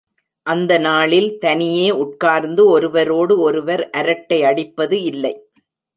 அந்த நாளில் தனியே உட்கார்ந்து ஒருவரோடு ஒருவர் அரட்டையடிப்பது இல்லை.